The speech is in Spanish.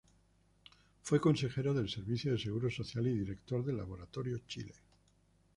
Fue consejero del Servicio de Seguro Social, y director del Laboratorio Chile.